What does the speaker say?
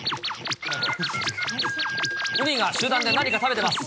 ウニが集団で何か食べてます。